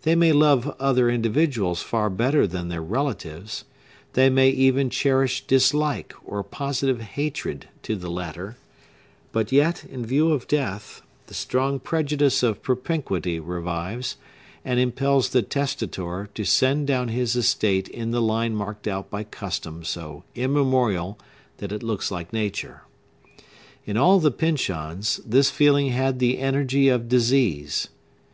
They may love other individuals far better than their relatives,—they may even cherish dislike, or positive hatred, to the latter; but yet, in view of death, the strong prejudice of propinquity revives, and impels the testator to send down his estate in the line marked out by custom so immemorial that it looks like nature. In all the Pyncheons, this feeling had the energy of disease.